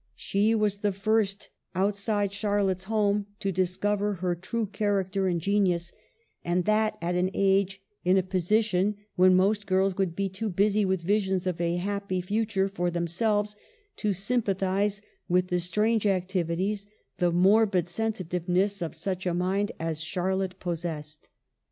She was the first, outside Charlotte's home, to discover her true character and genius ; and that at an age, in a position, when most girls would be too busy with visions of a happy future for themselves to sympathize with the strange activities, the mor bid sensitiveness, of such a mind as Charlotte possessed.